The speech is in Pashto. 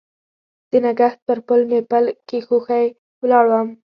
د نګهت پر پل مې پل کښېښوی ولاړم